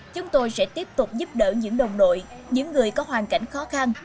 chúng tôi sẽ tiếp tục giúp đỡ những đồng đội những người có hoàn cảnh khó khăn